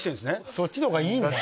そっちの方がいいんだ。